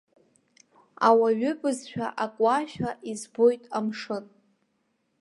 Ауаҩы бызшәа акуашәа избоит амшын.